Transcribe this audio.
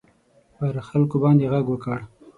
پر خلکو باندي ږغ وکړ.